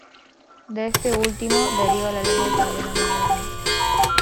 De este último deriva la lengua italiana moderna.